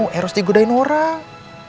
harus digudain orang